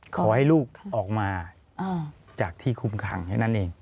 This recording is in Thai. ขอให้ลูกออกมาจากที่คุมขังแค่นั้นเอง